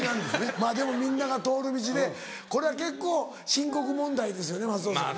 まぁでもみんなが通る道でこれは結構深刻問題ですよね松尾さんね。